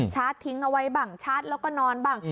ทิ้งเอาไว้บ้างชาร์จแล้วก็นอนบ้าง